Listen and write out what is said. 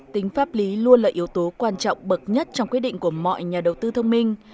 tính pháp lý luôn là yếu tố quan trọng bậc nhất trong quyết định của mọi nhà đầu tư thông minh